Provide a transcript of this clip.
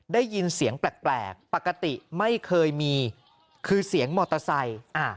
ได้ยินเสียงแปลกปกติไม่เคยมีคือเสียงมอเตอร์ไซค์